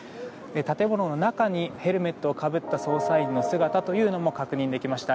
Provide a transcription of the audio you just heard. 建物の中にヘルメットをかぶった捜査員の姿というのも確認できました。